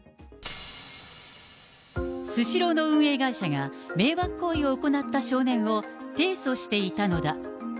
スシローの運営会社が迷惑行為を行った少年を提訴していたのだ。